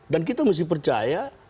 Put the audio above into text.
dan kita mesti percaya